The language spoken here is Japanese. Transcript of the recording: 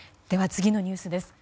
次のニュースです。